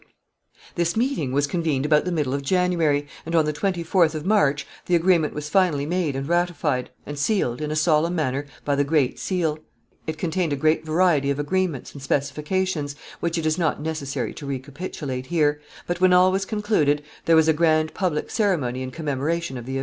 [Sidenote: The treaty.] This meeting was convened about the middle of January, and on the twenty fourth of March the agreement was finally made and ratified, and sealed, in a solemn manner, by the great seal. It contained a great variety of agreements and specifications, which it is not necessary to recapitulate here, but when all was concluded there was a grand public ceremony in commemoration of the event.